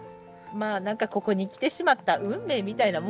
まあ何かここに来てしまった運命みたいなもんかな。